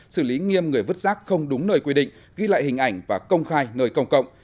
xử lý nghiêm người vứt rác không đúng nơi quy định ghi lại hình ảnh và công khai nơi công cộng